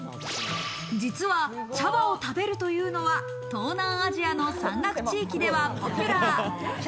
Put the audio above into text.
実は茶葉を食べるというのは、東南アジアの山岳地域ではポピュラー。